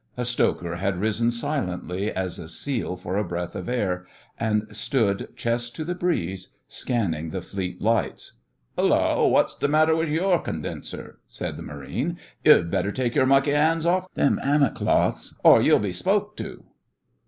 A stoker had risen silently as a seal for a breath of air, and stood, chest to the breeze, scanning the Fleet lights. ''Ullo! Wot's the matter with your condenser?' said the Marine. 'You'd better take your mucky 'ands off them hammick cloths or you'll be spoke to.